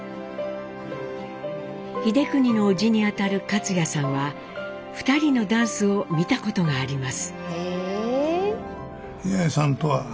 英邦の叔父に当たる勝也さんは２人のダンスを見たことがあります。